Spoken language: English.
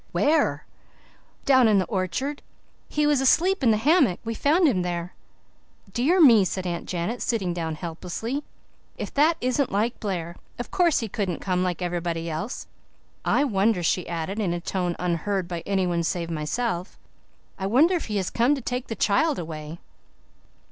"WHERE?" "Down in the orchard. He was asleep in the hammock. We found him there." "Dear me!" said Aunt Janet, sitting down helplessly. "If that isn't like Blair! Of course he couldn't come like anybody else. I wonder," she added in a tone unheard by anyone else save myself, "I wonder if he has come to take the child away."